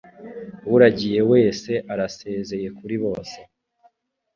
Uragiye wese arasezeye kuri bose